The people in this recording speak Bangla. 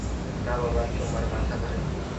না বাবা, তোমার মাথা ধরেনি।